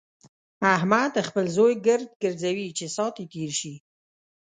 احمد خپل زوی ګرد ګرځوي چې ساعت يې تېر شي.